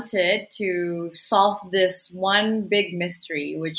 satu misteri yang besar yaitu